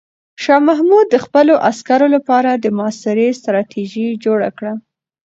شاه محمود د خپلو عسکرو لپاره د محاصرې ستراتیژي جوړه کړه.